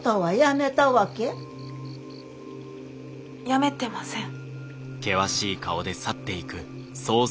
辞めてません。